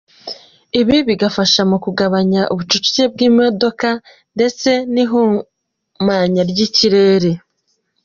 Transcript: Ibi bigafasha mu kugabanya ubucucike bw’imodoka, ndetse n’ihumanywa ry’ikirere.